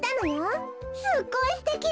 すっごいすてき！